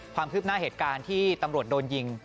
ความคืบหน้าเหตุการณ์ที่ตำรวจโดนยิง